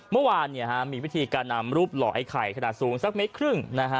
เมื่อวานมีวิธีการนำรูปหล่อไอ้ไข่ขนาดสูงสักเมตรครึ่ง